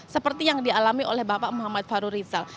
seperti yang dialami oleh bapak muhammad faru rizal